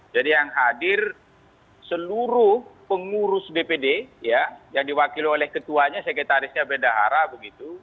jadi yang hadir seluruh pengurus dpd ya yang diwakili oleh ketuanya sekretarisnya beda hara begitu